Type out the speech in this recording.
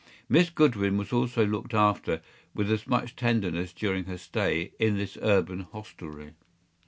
Miss Goodwin was also looked after with as much tenderness during her stay in this urban hostelry.